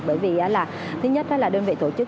bởi vì thứ nhất là đơn vị tổ chức